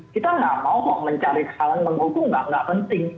kita nggak mau mencari kesalahan menghubung nggak penting